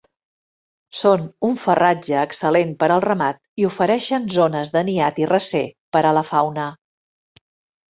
Són un farratge excel·lent per al ramat i ofereixen zones de niat i recer per a la fauna.